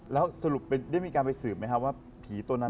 แล้วสรุปได้มีการไปสืบไหมครับว่าผีตัวนั้น